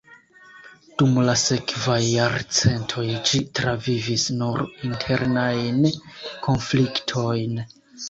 Dum la sekvaj jarcentoj ĝi travivis nur internajn konfliktojn.